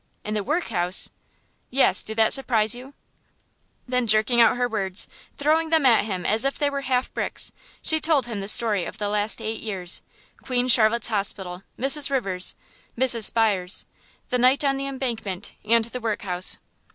"In the workhouse!" "Yes, do that surprise you?" Then jerking out her words, throwing them at him as if they were half bricks, she told him the story of the last eight years Queen Charlotte's hospital, Mrs. Rivers, Mrs. Spires, the night on the Embankment, and the workhouse.